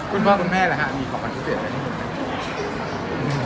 คุณพ่อคุณแม่แหละฮะมีของขวัญพิเศษอย่างนี้